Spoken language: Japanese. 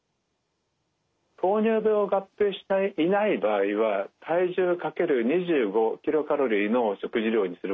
糖尿病を合併していない場合は体重×２５ｋｃａｌの食事量にすることをお勧めしますね。